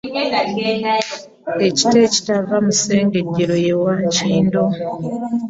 Ekita ekitava mu sssengejero ye wankindo .